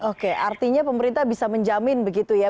oke artinya pemerintah bisa menjamin begitu ya